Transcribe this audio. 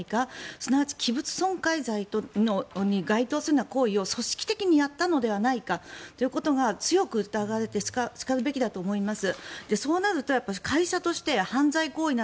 すなわち、器物損壊罪に該当するような行為を組織的にやったのではないかということが強く疑われてしかるべきだと思います。